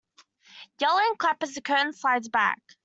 Yell and clap as the curtain slides back.